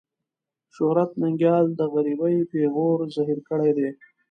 شهرت ننګيال د غريبۍ پېغور زهير کړی دی.